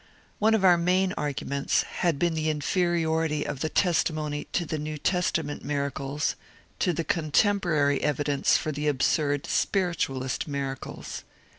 One of our main arguments had been the inferiority of the testimony to the New Testament miracles to the contemporary evidence for the absurd spiritualist miracles.